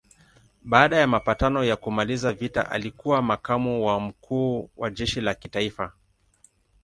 Baada ya mapatano ya kumaliza vita alikuwa makamu wa mkuu wa jeshi la kitaifa.